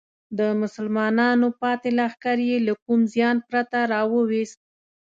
د مسلمانانو پاتې لښکر یې له کوم زیان پرته راوویست.